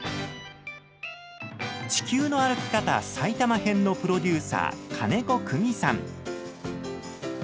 地球の歩き方埼玉編のプロデューサー、金子久美さん。